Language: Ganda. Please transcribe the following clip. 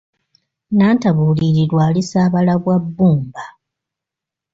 Nnantabuulirirwa alisaabala bwa bbumba